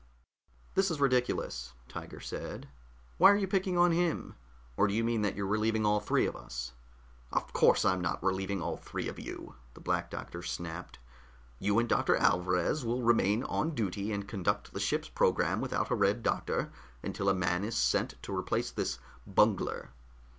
"This is ridiculous," Tiger said. "Why are you picking on him? Or do you mean that you're relieving all three of us?" "Of course I'm not relieving all three of you," the Black Doctor snapped. "You and Dr. Alvarez will remain on duty and conduct the ship's program without a Red Doctor until a man is sent to replace this bungler.